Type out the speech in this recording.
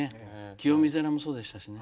清水寺もそうでしたしね。